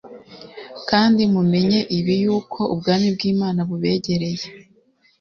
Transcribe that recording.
Ariko mumenye ibi: yuko ubwami bw'Imana bubegereye.